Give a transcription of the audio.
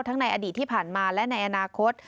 ในอดีตที่ผ่านมาและในอนาคต